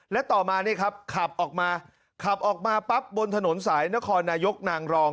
และต่อมานี่ครับขับออกมาขับออกมาปั๊บบนถนนสายนครนายกนางรอง